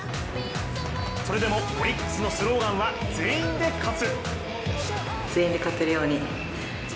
それでもオリックスのスローガンは全員で勝つ！